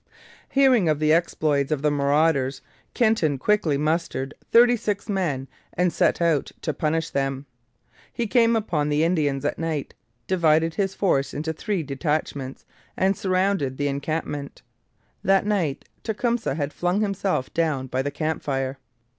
Hearing of the exploits of the marauders, Kenton quickly mustered thirty six men and set out to punish them. He came upon the Indians at night, divided his force into three detachments, and surrounded the encampment. That night Tecumseh had flung himself down by the camp fire.